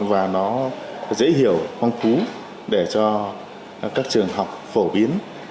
và nó dễ hiểu hoang cú để cho các trường học phổ biến